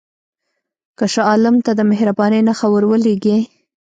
که شاه عالم ته د مهربانۍ نښه ورولېږې.